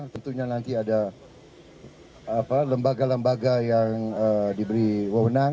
tentunya nanti ada lembaga lembaga yang diberi wawonan